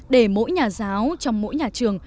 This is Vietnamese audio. để mỗi nhà giáo trong mỗi nhà trường